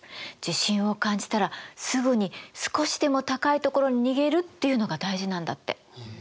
地震を感じたらすぐに少しでも高い所に逃げるっていうのが大事なんだって。